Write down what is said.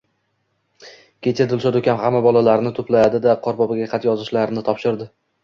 Kecha Dilshod ukam hamma bolalarni to`pladi-da, Qorboboga xat yozishlarini topshirdi